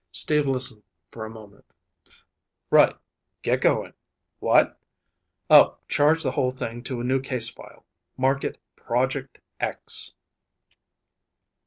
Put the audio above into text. Steve listened for a moment. "Right. Get going. What? Oh, charge the whole thing to a new case file. Mark it Project X."